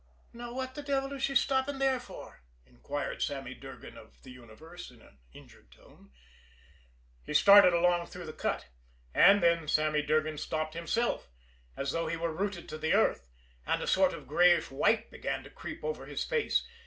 "Now, what the devil is she stopping there for?" inquired Sammy Durgan of the universe in an injured tone. He started along through the cut. And then Sammy Durgan stopped himself as though he were rooted to the earth and a sort of grayish white began to creep over his face.